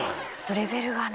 レベルがね。